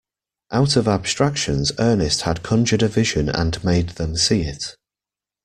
Out of abstractions Ernest had conjured a vision and made them see it.